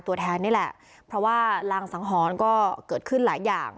ตัวแทนนี่แหละเพราะว่ารางสังหรณ์ก็เกิดขึ้นหลายอย่าง